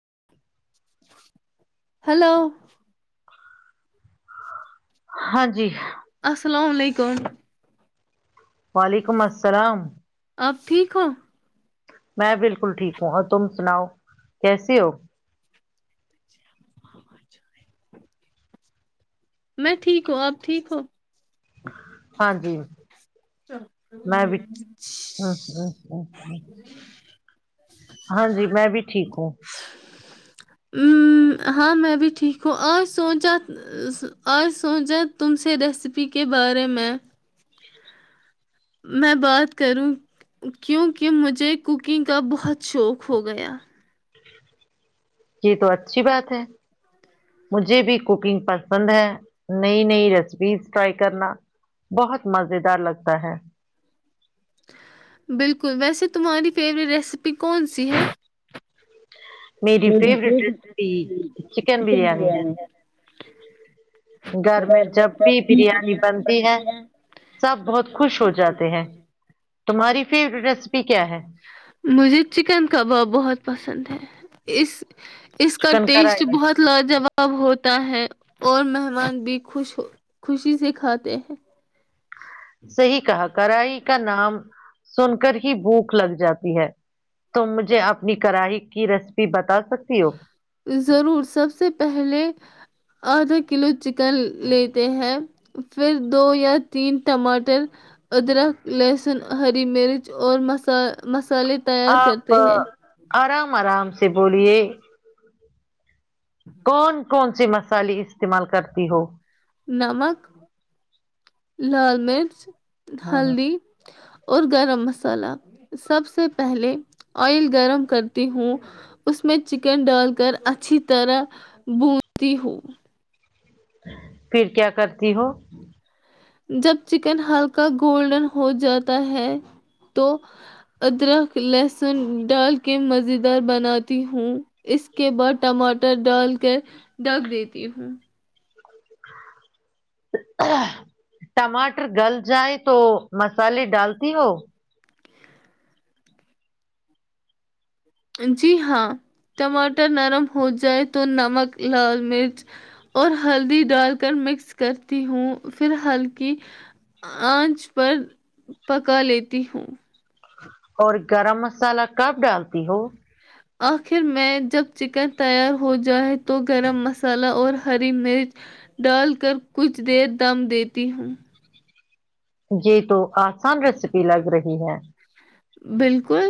ہ [unintelligible] ہلو ہاں جی السلام علیکم وعلیکم السلام آپ ٹھیک ہو [unintelligible] میں بالکل ٹھیک ہوں اور تم سناؤ کیسے ہو [unintelligible] میں ٹھیک ہوں آپ ٹھیک ہو ہاں جی میں بھی ہ ہ ہاں جی میں بھی ٹھیک ہوں ہاں میں بھی ٹھیک ہوں آج سوچا آج سوچا تم سے ریسیپی کے بارے میں میں میں بات کروں کیونکہ مجھے کوکنگ کا بہت شوق ہو گیا یہ تو اچھی بات ہے مجھے بھی کوکنگ پسند ہے نئی نئی ریسیپیز ٹرائی کرنا بہت مزیدار لگتا ہے بالکل ویسے تمہاری فیوریٹ ریسیپی کون سی ہے میری فی چکن بریانی ہے گھر میں جب بھی بریانی بنتی ہے سب بہت خوش ہو جاتے ہیں تمہاری فیوریٹ ریسیپی کیا ہے مجھے چکن کباب بہت پسند ہے اس اس کا چکن ٹیسٹ کرائی بہت لاجواب ہوتا ہے اور مہمان بھی خوش خوشی سے کھاتے ہیں صحی کہا کراہی کا نام سن کر ہی بھوک لگ جاتی ہے تم مجھے اپنی کرڑاہی کی ریسیپی بتا سکتی ہو ضرور سب سے پہلے آدھا کلو چکن لیتے ہیں پھر دو یا تین ٹماٹر ادرک لس ہری مرچ اور سالے تیار آپ کرتے آ، ہیں آرام آرام سے سے بولیے کون کون سے مسالے استعمال کرتی ہو نمک لال مرچ ہاں ہاں ہلدی اور گرم مسالہ سب سے پہلے آئل گرم کرتی ہوں اس میں چکن ڈال کر اچھی طرح بونتی ہوں پھر کیا کرتی ہو جب چکن ہلکا گولڈن ہو جاتا ہے تو ادرک لہسن ڈال کے مزیدار بناتی ہوں اس کے بعد ٹماٹر ڈال کر ڈک دیتی ہوں ٹماٹر گل جائے تو مسالے ڈالتی ہو جی ہاں ٹماٹر نرم ہو جائے تو نمک لال مرچ اور ہلدی ڈال کر مکس کرتی ہوں پھر ہلکی آنچ پر پکا لیتی ہوں اور گرم مسالہ کب ڈالتی ہو آخر میں جب چکن تیار ہو جائے تو گرم مصالحہ اور ہری مرچ ڈال کر کچھ دیر دم دیتی ہوں جی تو آسان ریسیپی لگ رہی ج ہاں بالکل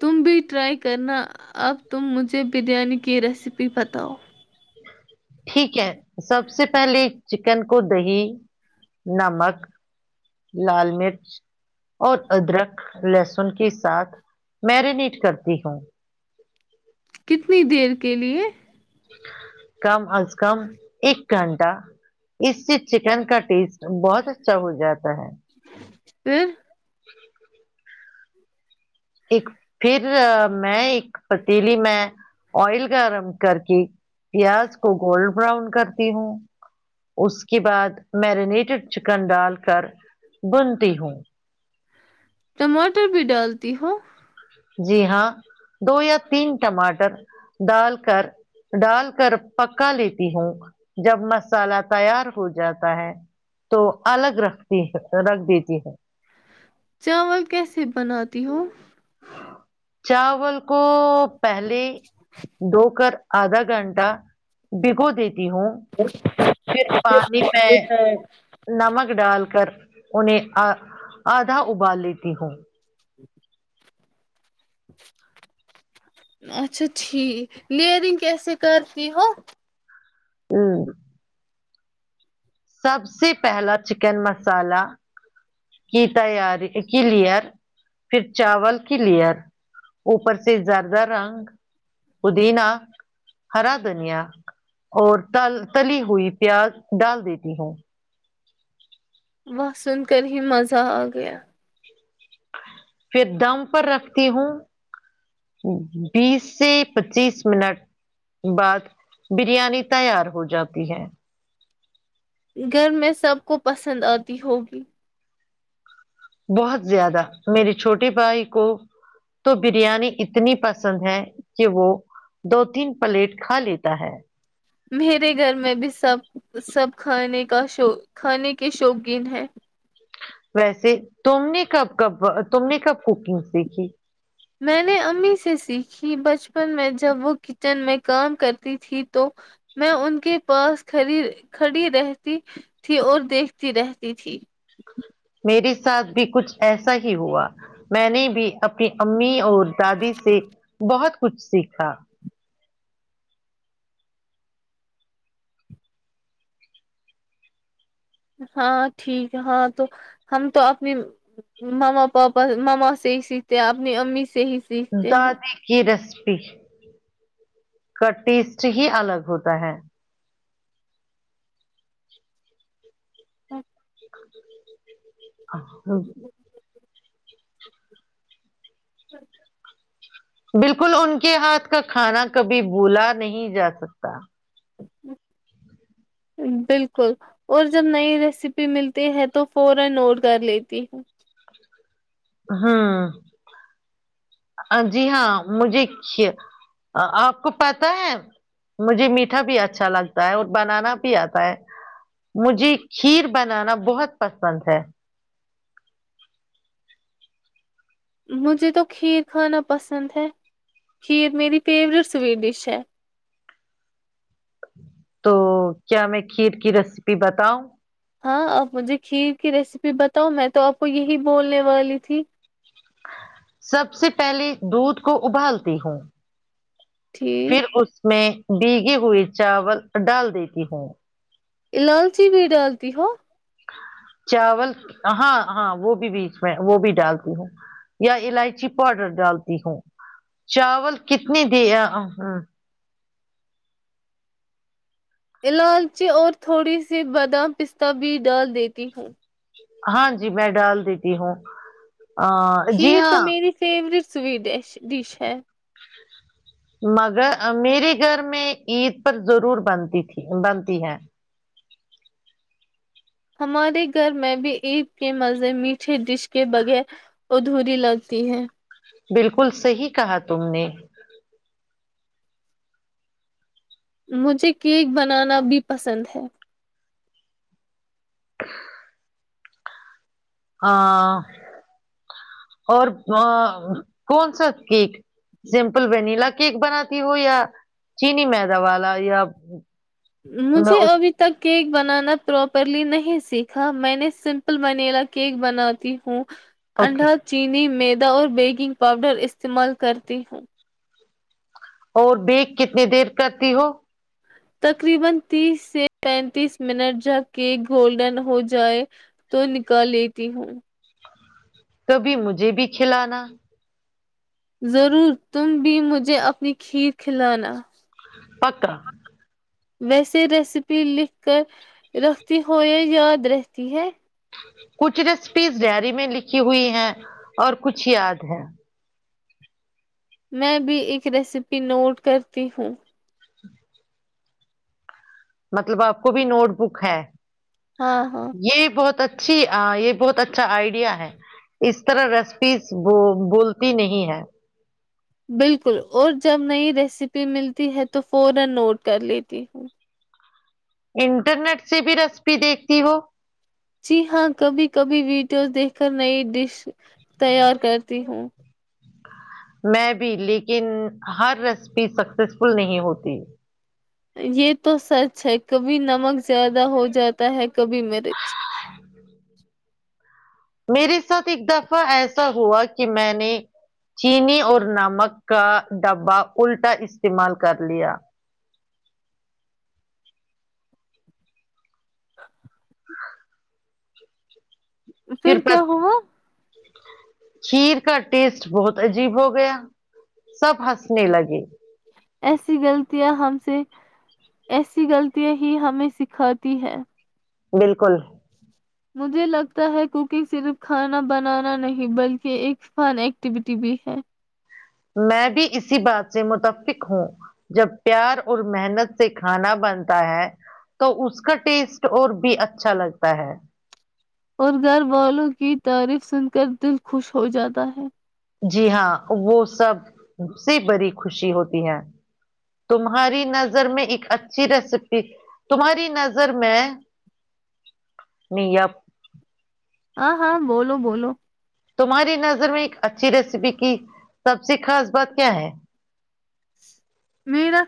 تم بھی ٹرائی کرنا اب تم مجھے بریانی کی ریسیپی بتاؤ ٹھیک ہے سب سے پہلے چکن کو دہی نمک لال مرچ اور ادرک لہسن کے ساتھ میرینیٹ کرتی ہوں کتنی دیر کے لیے کم از کم ایک گھنٹہ اس سے چکن کا ٹیسٹ بہت اچھا ہو جاتا ہے پھر جی ج [unintelligible] ایک پھر میں ایک پتیلی میں آئل گرم کر کے پیاز کو گولڈ براؤن کرتی ہوں اس کے بعد میرینیٹڈ چکن ڈال کر بنتی ہوں ٹماٹر بھی ڈالتی ہو جی ہاں دو یا تین ٹماٹر ڈال کر ڈال کر پکا لیتی ہوں جب مسالا تیار ہو جاتا ہے تو الگ رکھتی رکھ دیتی ہوں چاول کیسے بناتی ہو چاول کو پہلے دو کر آدھ گھنٹا بگود ہوں پھر پانی میں نمک ڈال کر انہیں آ آدھا ابال لیتی ہوں اچھا ٹھیک لرنگ کیسے کرتی ہو ہاں سب سے پہلا چکن مسالا کی تیاری کی لیئر پھر چاول کی لیئر اوپر سے زیادہ رنگ پودینہ ہرا دھنیا اور تل تلی ہوئی پیاز ڈال دیتی ہوں وسن کررہی مزہ آ گیا پھر دم پر رکھتی ہوں بیس سے پچیس منٹ بعد بریانی تیار ہو جاتی ہے گھر میں سب کو پسند آتی ہوگی بہت زیادہ میری چھوٹے بھائی کو تو بریانی اتنی پسند ہے کہ وہ دو تین پلیٹ کھا لیتا ہے میرے گھر میں بھی سب سب کھانے کا شو کھانے کے شوقین ہیں ویسے تم نے کب کب تم نے کب کوکنگ سیکھی میں نے امی سے سیکھی بچپن میں جب وہ کچن میں کام کرتی تھی تو میں ان کے پاس کھڑی رہتی تھی اور دیکھتی رہتی تھی میرے ساتھ بھی کچھ ایسا ہی ہوا میں نے بھی اپنی امی اور دادی سے بہت کچھ سیکھا ہاں ٹھیک ہے ہاں تو ہم تو اپنی ماما پاپا ماما سے ہی سیکھتے ہیں اپنی امی سے ہی سیکھتے ہیں داد [unintelligible] کی رس کا ٹیسٹ ہی الگ ہوتا ہے اچ [inaudible] ا نہیں [inaudible] آ ہ [unintelligible] ہوں [unintelligible] بالکل ان کے ہاتھ کا کھانا کبھی بولا نہیں جا سکتا بالکل اور جب نئی ریسیپی ملتی ہے تو فورا نوٹ کر لیتی ہوں ہوں جی ہاں مجھے کھ آپ کو پتا ہے مجھے میٹھا بھی اچھا لگتا ہے اور بنانا بھی آتا ہے مجھے کھیر بنانا بہت پسند ہے مجھے تو کھیر کھانا پسند ہے کھیر میری فیورٹ سویٹ ڈش ہے تو کیا میں کھیر کی ریسیپی بتاؤں ہاں آپ مجھے کھیر کی ریسیپی بتاؤ میں تو آپ کو یہی بولنے والی تھی سب سے پہلے دودھ کو ابالتی ہوں ٹھیک پھر اس میں بیگے ہوئے چاول ڈال دیتی ہوں ت ہو [unintelligible] چاول ہاں ہاں وہ بھی بیچ میں وہ بھی ڈالتی ہوں یا الائچی پاؤڈر ڈالتی ہوں چاول کتنی د ہ یاہو الالچی اور تھوڑی سی بادام پستہ بھی ڈال دیتی ہوں ہاں جی میں ڈال دیتی ہوں آ جی ہاں سویڈش ڈش ہے مگر میرے گھر میں عید پر ضرور بنتی تھی بنتی ہے ہمارے گھر میں بھی عید کے مزے میٹھے ڈش کہ بغیر ادھوری لگتی ہے بالکل صحی کہا تم نے مجھے کیک بنانا بھی پسند ہے [inaudible] ہاں اور کون سا کیک سمپل ونییلا کیک بناتی ہو یا چینی میدا والا یا مجھے ابھی تک کیک بنانا پراپرلی نہیں سیکھا میں نے سمپل و نیلا کیک بناتی ہوں اوکے انڈا چینی مید اور بیکنگ پاؤڈر استعمال کرتی ہوں اور بیگ کتنی دیر کرتی ہو تقریبن تیس سے پینتیس منٹ جب کیک گولڈن ہو جائے تو نکال لی تی ہوں کبھی مجھے بھی کھلانا ضرور تم بھی مجھے اپنی خیر کھلانا پکا ویسے ریسیپی لکھ کر رکھتی ہووں یا یاد رہتی ہے کچھ ریسپیز ڈائری میں لکھی ہوئی ہیں اور کچھ یاد ہے میں بھی ایک ریسیپی نوٹ کرتی ہوں مطلب آپ کو بھی نوٹ بک ہے ہاں ہاں یہ بہت اچھی یہ بہت اچھا آئیڈیا ہے اس طرح ریسیپیز بولتی نہیں ہے بالکل اور جب نئی ریسیپی ملتی ہے تو فورا نوٹ کر لیتی ہوں انٹرنیٹ سے بھی ریسپی دیکھتی ہو جی ہاں کبھی کبھی ویڈیوز دیکھ کر نئی ڈش تیار کرتی ہوں میں بھی لیکن ہر ریسپی سکسیسفل نہیں ہوتی یہ تو سچ ہے کبھی نمک زیادہ ہو جاتا ہے کبھی مرچ میرے ساتھ ایک دفعہ ایسا ہوا کہ میں نے چینی اور نمک کا ڈبہ الٹا استعمال کر لیا [inaudible] پھر کیا ہوا کھیر کا ٹیسٹ بہت عجیب ہو گیا سب ہنسنے لگے ایسی غلطیاں ہم سے ایسی غلطیاں ہی ہمیں سکھاتی ہے بالکل مجھے لگتا ہے کوکنگ صرف کھانا بنانا نہیں بلکہ ایک فن ایکٹیویٹی بھی ہے میں بھی اسی بات سے متفق ہوں جب پیار اور محنت سے کھانا بنتا ہے تو اس کا ٹیسٹ اور بھی اچھا لگتا ہے اور گھر والوں کی تعریف سن کر دل خوش ہو جاتا ہے جی ہاں وہ سب سے بڑی خوشی ہوتی ہے تمہاری نظر میں ایک اچھی ریسیپی تمہاری نظر میں نی آپ ہاں ہاں بولو بولو تمہاری نظر میں ایک اچھی ریسیپی کی سب سے خاص بات کیا ہے میرا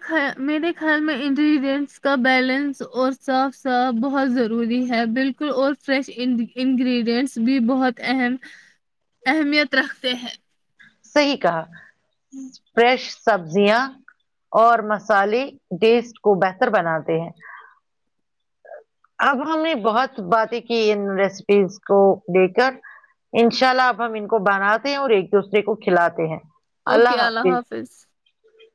میرے خیال میں انگریڈینٹس کا بیلنس اور صاف صاف بہت ضروری ہے بالکل اور فریش انگریڈینٹس بھی بہت اہم اہمیت رکھتے ہیں صحیح کہا فریش سبزیاں اور مسالے ٹیسٹ کو بہتر بناتے ہیں اب ہم نے بہت باتیں کی ان ریسیپیز کو دے کر ان شاء اللہ اب ہم ان کو بناتے ہیں اور ایک دوسرے کو کھلاتے ہیں اوکے اللہ حافظ